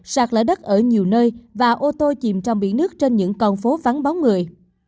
sạt lở đất ở nhiều nơi và ô tô chìm trong biển nước trên những con phố vắng bóng người